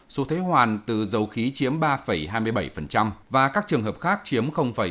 số thuế hoàn từ dầu khí chiếm ba hai mươi bảy và các trường hợp khác chiếm bảy mươi